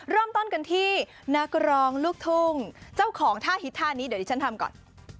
เริ่มต้นกันที่นักร้องลูกทุ่งเจ้าของท่าฮิตท่านี้เดี๋ยวที่ฉันทำก่อน